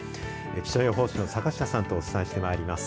気象予報士の坂下さんとお伝えしてまいります。